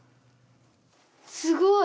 すごい！